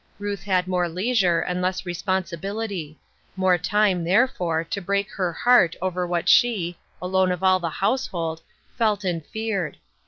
Ruth had more leisure, and less respon sibility ; more time, therefore, to break her heart over what she, alone of all that household, felt and feared.